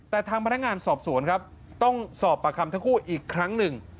แต่ทางพนักงานสอบสวนครับต้องสอบปากคำทั้งคู่อีกครั้งหนึ่ง